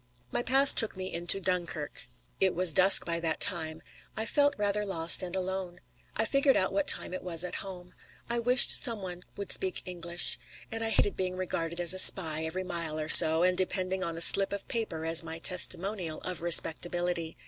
My pass took me into Dunkirk. It was dusk by that time. I felt rather lost and alone. I figured out what time it was at home. I wished some one would speak English. And I hated being regarded as a spy every mile or so, and depending on a slip of paper as my testimonial of respectability.